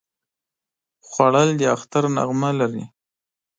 خوړل د اختر نغمه لري